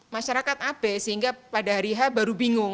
masyarakat abe sehingga pada hari h baru bingung